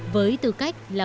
với tư cách là một nhà tư vật